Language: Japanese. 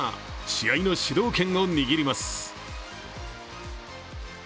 試合の主導権を握ります。